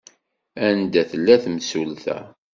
Anda tella temsulta?